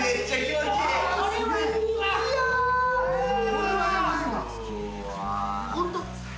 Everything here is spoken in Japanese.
これはヤバいわ。